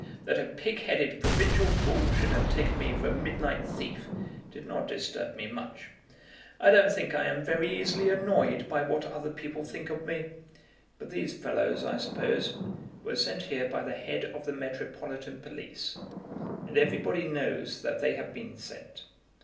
"That a pig headed provincial fool should have taken me for a midnight thief, did not disturb me much. I don't think I am very easily annoyed by what other people think of me. But these fellows, I suppose, were sent here by the head of the metropolitan police; and everybody knows that they have been sent.